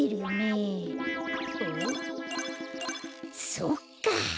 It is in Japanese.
そっか！